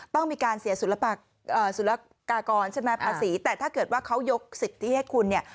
ต้องมีการเสียสุรกากรใช่ไหมภาษีแต่ถ้าเกิดว่าเขายกสิทธิให้คุณเนี่ย